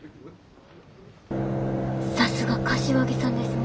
さすが柏木さんですね。